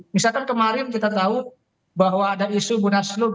misalkan kemarin kita tahu bahwa ada isu munaslup